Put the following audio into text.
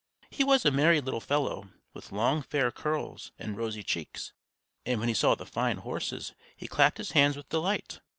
He was a merry little fellow, with long fair curls and rosy cheeks; and when he saw the fine horses he clapped his hands with delight.